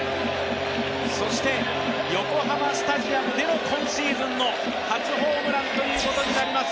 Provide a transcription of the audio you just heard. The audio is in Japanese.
そして、横浜スタジアムでの今シーズンの初ホームランということになります。